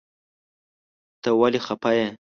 ته ولی خپه یی ؟